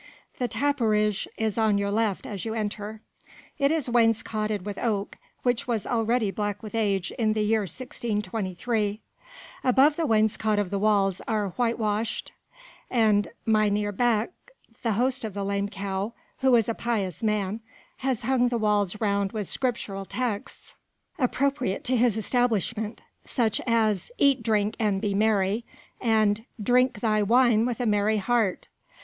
The tapperij is on your left as you enter. It is wainscotted with oak which was already black with age in the year 1623; above the wainscot the walls are white washed, and Mynheer Beek, the host of the "Lame Cow," who is a pious man, has hung the walls round with scriptural texts, appropriate to his establishment, such as: "Eat, drink and be merry!" and "Drink thy wine with a merry heart!"